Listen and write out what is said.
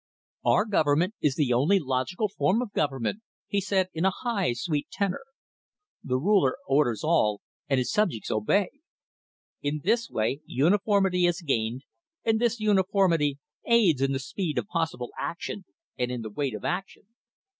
"Our government is the only logical form of government," he said in a high, sweet tenor. "The Ruler orders all, and his subjects obey. In this way uniformity is gained, and this uniformity aids in the speed of possible action and in the weight of action.